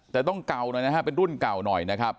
แต่ต้องเก่าหน่อยนะฮะเป็นรุ่นเก่าหน่อยนะครับ